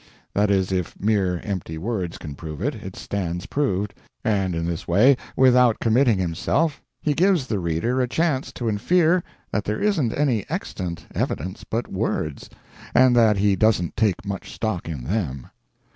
That is, if mere empty words can prove it, it stands proved and in this way, without committing himself, he gives the reader a chance to infer that there isn't any extant evidence but words, and that he doesn't take much stock in them.